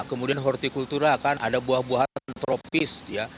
kemudian hortikultura akan ada buah buahan tropis ya